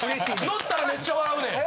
乗ったらめっちゃ笑うねん。